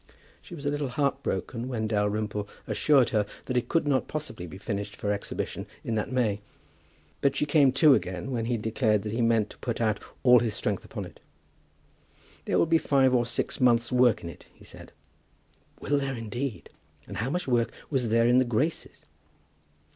She was a little heart broken when Dalrymple assured her that it could not possibly be finished for exhibition in that May; but she came to again when he declared that he meant to put out all his strength upon it. "There will be five or six months' work in it," he said. "Will there, indeed? And how much work was there in 'The Graces'?"